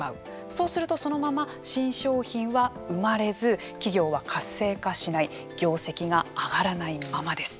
そうするとそのまま新商品は生まれず企業は活性化しない業績が上がらないままです。